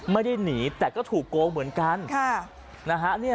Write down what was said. ไม่ได้หนีแต่ก็ถูกโกงเหมือนกันนะฮะ